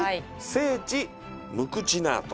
聖地ムクチナート